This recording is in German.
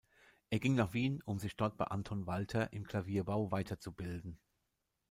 Er ging nach Wien, um sich dort bei Anton Walter im Klavierbau weiterzubilden.